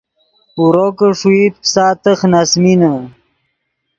اورو کہ ݰوئیت پیسا تخ نے اَسۡمینے